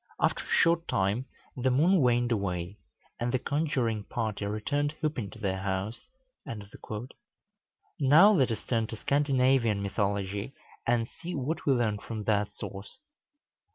After a short time the moon waned away, and the conjuring party returned whooping to their house." Now let us turn to Scandinavian mythology, and see what we learn from that source.